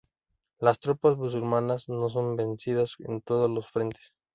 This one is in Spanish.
Las tropas musulmanas no son vencidas en todos los frentes.